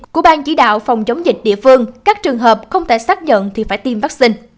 của bang chỉ đạo phòng chống dịch địa phương các trường hợp không thể xác nhận thì phải tiêm vaccine